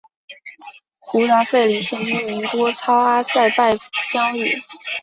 胡达费林县居民多操阿塞拜疆语。